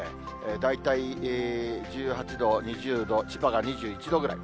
大体、１８度、２０度、千葉が２１度ぐらい。